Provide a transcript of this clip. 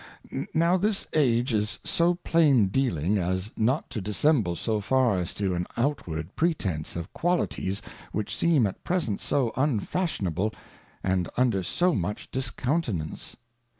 __ Now this Age is so plain dealing^_as_ not to dissemble so far as to an outward Pretence of Qualities which seem at present so Unfashionable, and under so much Discountenance.